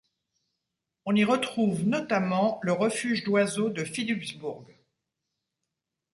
On y retrouve notamment le refuge d'oiseaux de Philipsburg.